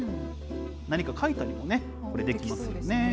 何か書いたりもね、これできますよね。